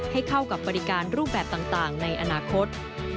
ให้เข้ากับบริการรูปแบบต่างในอนาคต